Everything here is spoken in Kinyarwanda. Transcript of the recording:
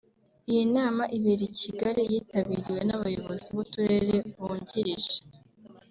Iyi nama ibera i Kigali yitabiriwe n’Abayobozi b’Uturere bungirije